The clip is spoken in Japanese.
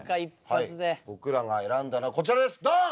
僕らが選んだのはこちらですドン！